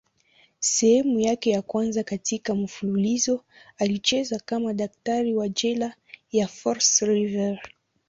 Sehemu yake ya kwanza katika mfululizo alicheza kama daktari wa jela ya Fox River.